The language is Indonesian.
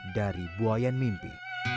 dari buayan mimpi